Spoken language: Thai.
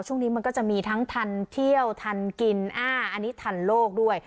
ช่วงนี้มันก็จะมีทั้งทันเที่ยวทันกินอันนี้ทันโลกด้วย